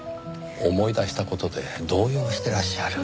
思い出した事で動揺してらっしゃる。